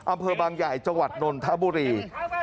อำเภอบางใหญ่จังหวัดนนทบุรี